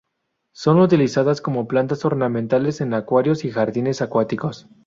Son utilizadas como plantas ornamentales en acuarios y jardines acuáticos.